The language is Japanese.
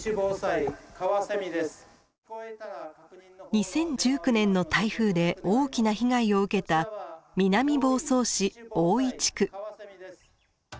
２０１９年の台風で大きな被害を受けた南房総市大井地区。